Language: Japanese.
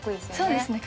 そうですね